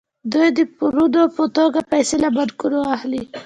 دوی د پورونو په توګه پیسې له بانکونو اخلي